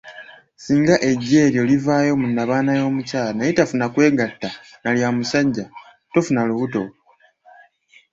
Singa eggi eryo livaayo mu nnabaana w'omukyala ne litafuna kwegatta nalya musajja, tofuna lubuto.